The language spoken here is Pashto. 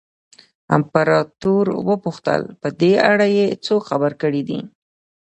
امپراتور وپوښتل په دې اړه یې څوک خبر کړي دي.